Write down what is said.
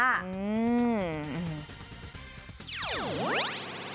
อื้อ